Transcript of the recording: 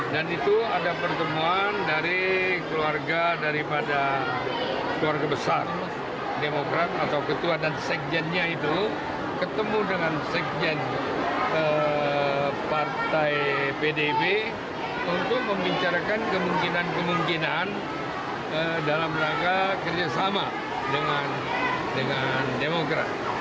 dan itu ada pertemuan dari keluarga daripada keluarga besar demokrat atau ketua dan sekjennya itu ketemu dengan sekjen partai pdip untuk membicarakan kemungkinan kemungkinan dalam rangka kerjasama dengan demokrat